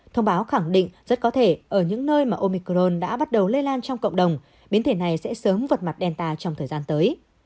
thông báo khẳng định rất có thể ở những nơi mà omicron đã bắt đầu lây lan trong cộng đồng biến thể này sẽ sớm vượt mặt delta trong thời gian tới